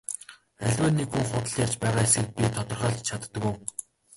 Аливаа нэг хүн худал ярьж байгаа эсэхийг би тодорхойлж чаддаг уу?